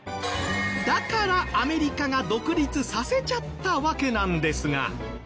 だからアメリカが独立させちゃったわけなんですが。